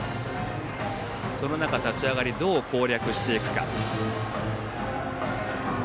その中、立ち上がりどう攻略していくか。